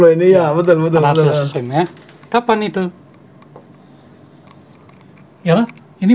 analisa sistem loh ini ya